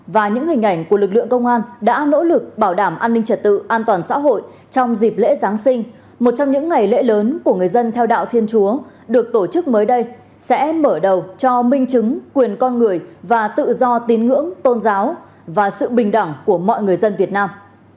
và những hình ảnh của lực lượng công an đã nỗ lực bảo đảm an ninh trật tự an toàn xã hội trong dịp lễ giáng sinh một trong những ngày lễ lớn của người dân theo đạo thiên chúa được tổ chức mới đây sẽ mở đầu cho minh chứng quyền con người và tự do tín ngưỡng tôn giáo và sự bình đẳng của mọi người dân việt nam